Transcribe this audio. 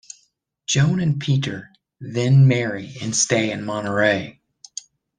Joan and Peter then marry and stay in Monterey.